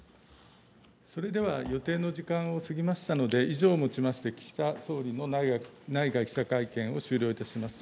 それでは、予定の時間を過ぎましたので以上をもちまして、岸田総理の内外記者会見を終了いたします。